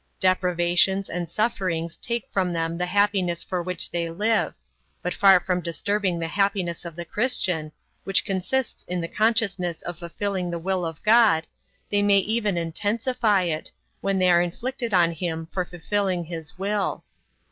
Deprivations and sufferings take from them the happiness for which they live; but far from disturbing the happiness of the Christian, which consists in the consciousness of fulfilling the will of God, they may even intensify it, when they are inflicted on him for fulfilling his will.